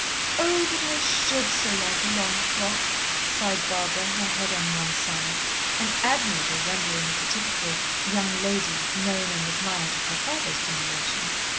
"Oh, but I should so like a long frock," sighed Barbara, her head on one side an admirable rendering of the typical "young lady" known and admired of her father's generation.